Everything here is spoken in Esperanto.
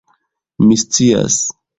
"Mi scias."